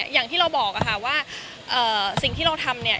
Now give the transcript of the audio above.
อย่างที่เราบอกค่ะว่าสิ่งที่เราทำเนี่ย